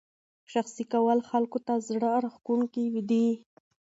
شخصي کول خلکو ته زړه راښکونکی دی.